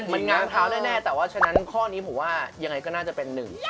มันง้างเท้าแน่แต่ว่าฉะนั้นข้อนี้ผมว่ายังไงก็น่าจะเป็นหนึ่ง